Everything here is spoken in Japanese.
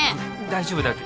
大丈夫だよ